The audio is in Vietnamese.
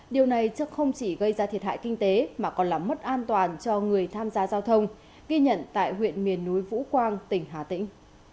điều này không chỉ gây ra thiệt hại kinh tế mà còn là mất an toàn cho người tham gia giao thông ghi nhận tại huyện miền núi vũ quang tỉnh hà tĩnh